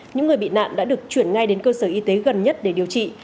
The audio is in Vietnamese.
những người bị nạn đã được chuyển ngay đến cơ sở y tế gần nhất để điều trị